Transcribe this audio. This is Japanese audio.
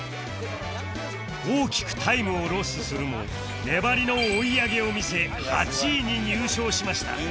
大きくタイムをロスするも粘りの追い上げを見せ８位に入賞しました